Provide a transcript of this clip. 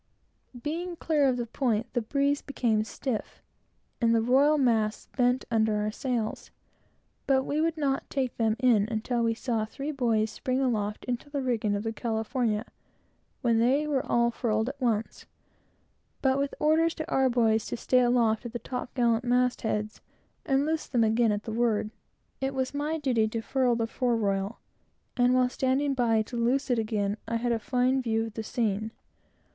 Being clear of the point, the breeze became stiff, and the royal masts bent under our sails, but we would not take them in until we saw three boys spring aloft into the rigging of the California; when they were all furled at once, but with orders to stay aloft at the top gallant mastheads, and loose them again at the word. It was my duty to furl the fore royal; and while standing by to loose it again, I had a fine view of the scene.